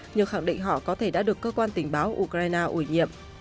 nhưng khẳng định họ có thể đã được cơ quan tình báo ukraine ủi nhiệm